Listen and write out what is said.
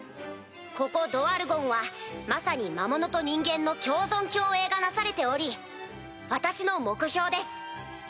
ここドワルゴンはまさに魔物と人間の共存共栄がなされており私の目標です。